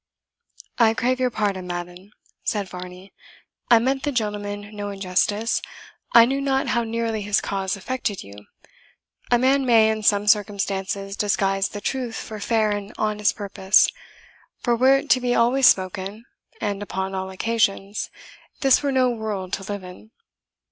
"I crave your pardon, madam," said Varney, "I meant the gentleman no injustice I knew not how nearly his cause affected you. A man may, in some circumstances, disguise the truth for fair and honest purpose; for were it to be always spoken, and upon all occasions, this were no world to live in."